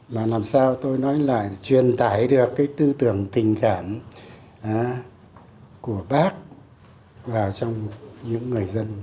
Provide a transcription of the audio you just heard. mà làm sao tôi nói là truyền tải được cái tư tưởng tình cảm của bác vào trong những người dân